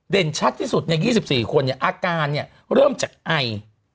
เด่นชัดที่สุดใน๒๔คนเนี่ยอาการเนี่ยเริ่มจากไอ